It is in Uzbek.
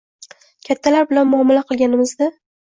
Kattalar bilan muomala qilganimizda